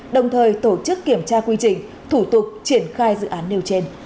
đồng thời tổ chức kiểm tra quy trình thủ tục triển khai dự án nêu trên